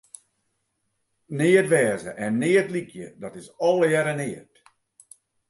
Neat wêze en neat lykje, dat is allegearre neat.